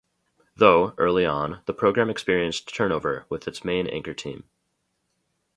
Though, early on, the program experienced turnover with its main anchor team.